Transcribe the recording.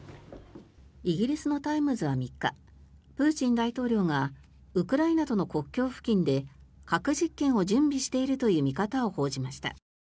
イギリスのタイムズは３日プーチン大統領がウクライナとの国境付近で核実験を準備しているという見方を報じました。